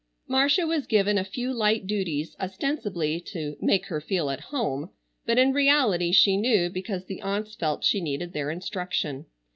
Marcia was given a few light duties ostensibly to "make her feel at home," but in reality, she knew, because the aunts felt she needed their instruction.